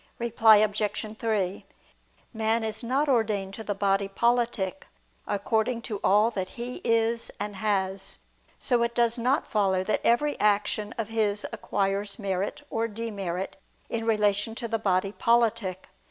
Reply Obj. 3: Man is not ordained to the body politic, according to all that he is and has; and so it does not follow that every action of his acquires merit or demerit in relation to the body politic.